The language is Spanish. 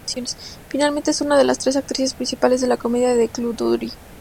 Finalmente, es una de las tres actrices principales de la comedia de Claude Duty.